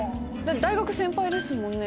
大学先輩ですもんね？